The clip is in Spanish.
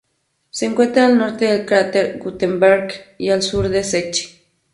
Se encuentra al norte del cráter Gutenberg, y al sur de Secchi.